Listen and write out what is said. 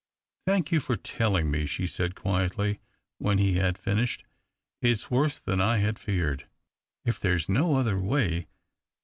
" Thank you for telling me," she said quietly, when he had finished. " It's worse than I had feared. Is there no other way